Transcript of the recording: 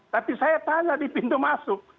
tapi saya tanya di pintu masuk